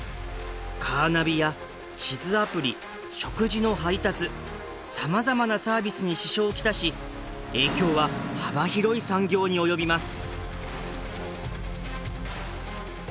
カーナビや地図アプリ食事の配達さまざまなサービスに支障を来し影響は幅広い産業に及びます。